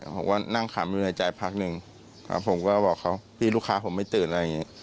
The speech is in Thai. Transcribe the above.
ผมก็นั่งขำอยู่ในใจพักหนึ่งผมก็บอกเขาพี่ลูกค้าผมไม่ตื่นอะไรอย่างนี้